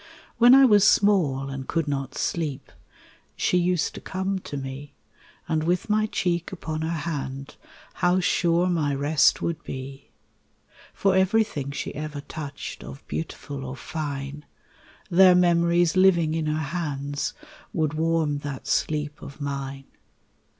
When I was small and could not sleep, She used to come to me, And with my cheek upon her hand How sure my rest would be. For everything she ever touched Of beautiful or fine, Their memories living in her hands Would warm that sleep of mine.